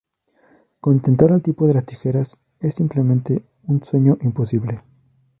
contentar al tipo de las tijeras es, simplemente, un sueño imposible